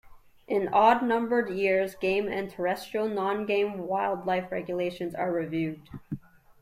In odd numbered years, game and terrestrial nongame wildlife regulations are reviewed.